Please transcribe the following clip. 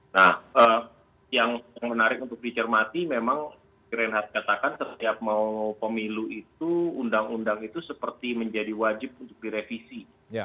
nah yang menarik untuk dicermati memang reinhardt katakan setiap mau pemilu itu undang undang itu seperti menjadi wajib untuk direvisi